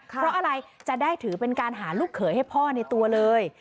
เพราะอะไรจะได้ถือเป็นการหาลูกเขยให้พ่อในตัวเลย